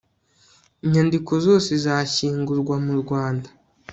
inyandiko zose zashyingurwa mu rwanda